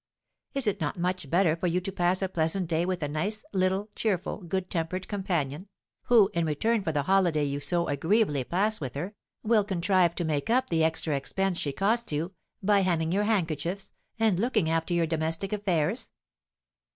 Is it not much better for you to pass a pleasant day with a nice little, cheerful, good tempered companion, who, in return for the holiday you so agreeably pass with her, will contrive to make up the extra expense she costs you by hemming your handkerchiefs, and looking after your domestic affairs?"